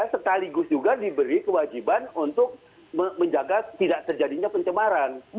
sekaligus juga diberi kewajiban untuk menjaga tidak terjadinya pencemaran